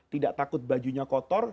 tidak takut bajunya kotor